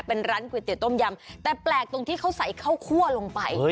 เป็นร้านก๋วยเตี๋ต้มยำแต่แปลกตรงที่เขาใส่ข้าวคั่วลงไป